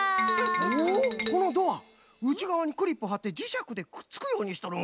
おっこのドアうちがわにクリップはってじしゃくでくっつくようにしとるんか。